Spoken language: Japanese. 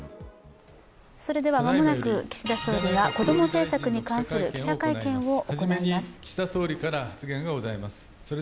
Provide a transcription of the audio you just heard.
間もなく岸田総理が子ども政策に関する記者会見を行います。